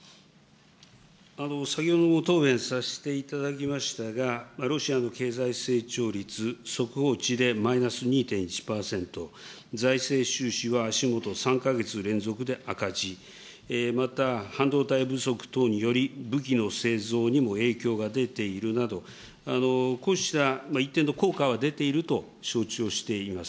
先ほども答弁させていただきましたが、ロシアの経済成長率、速報値でマイナス２．１％、財政収支は足下３か月連続で赤字、また半導体不足等により、武器の製造にも影響が出ているなど、こうした一定の効果は出ていると承知をしています。